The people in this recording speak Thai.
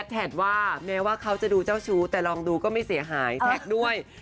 แท็กว่าแม้ว่าเขาจะดูเจ้าชู้แต่ลองดูก็ไม่เสียหายแท็กด้วย